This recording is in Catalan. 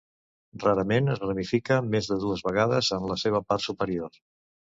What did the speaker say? Rarament es ramifica més de dues vegades en la seva part superior.